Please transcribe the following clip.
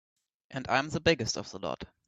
And I'm the biggest of the lot.